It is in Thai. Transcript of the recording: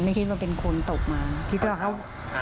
ไม่คิดว่าเป็นคนตกเขา